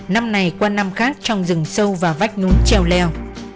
năm này qua năm khác trong rừng sâu và vách núi treo leo